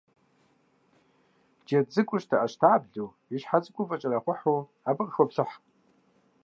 Джэд цӀыкӀур щтэӀэщтаблэу, и щхьэ цӀыкӀур фӀэкӀэрэхъухьу абы къыхоплъых.